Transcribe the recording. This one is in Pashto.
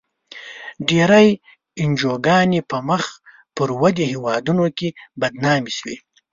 ډېری انجوګانې په مخ پر ودې هېوادونو کې بدنامې شوې.